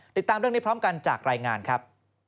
ติดตามเรื่องนี้พร้อมกันจากรายงานครับ